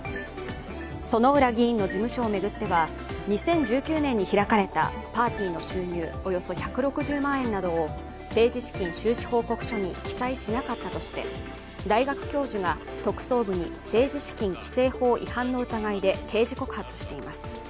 薗浦議員の事務所を巡っては２０１９年に開かれたパーティーの収入およそ１６０万円などを政治資金収支報告書に記載しなかったとして大学教授が特捜部に政治資金規正法違反の疑いで刑事告発しています。